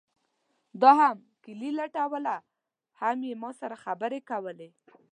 ده هم کیلي لټوله هم یې ما سره خبرې کولې.